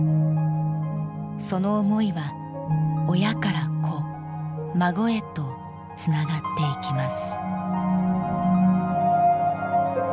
その思いは、親から子、孫へとつながっていきます。